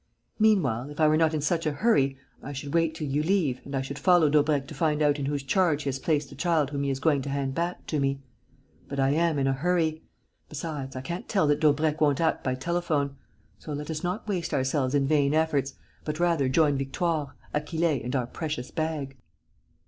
Meanwhile, if I were not in such a hurry, I should wait till you leave and I should follow Daubrecq to find out in whose charge he has placed the child whom he is going to hand back to me. But I am in a hurry. Besides, I can't tell that Daubrecq won't act by telephone. So let us not waste ourselves in vain efforts, but rather join Victoire, Achille and our precious bag."